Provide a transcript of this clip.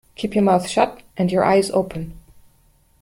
Keep your mouth shut and your eyes open.